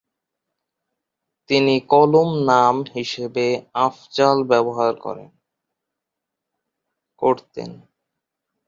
তিনি কলম নাম হিসেবে "আফজাল" ব্যবহার করতেন।